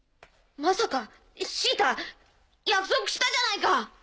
まさかシータ約束したじゃないか！